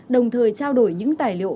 đồng thời trao đổi những tài liệu